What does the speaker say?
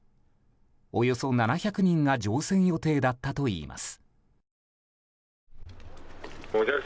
およそ７００人が乗船予定だったといいます。